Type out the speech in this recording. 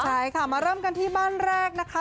ใช่ค่ะมาเริ่มกันที่บ้านแรกนะคะ